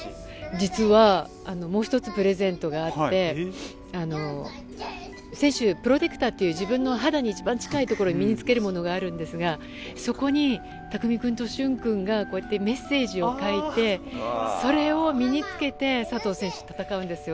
実は、もう１つプレゼントがあって選手、プロテクターっていう自分の肌に一番近いところに身に着けるものがあるんですがそこに匠君と旬君がメッセージを書いてそれを身に着けて佐藤選手は戦うんですよ。